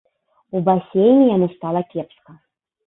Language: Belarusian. У басейне яму стала кепска.